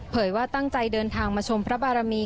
ว่าตั้งใจเดินทางมาชมพระบารมี